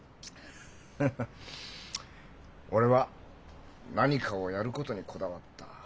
ハハッ俺は何かをやることにこだわった。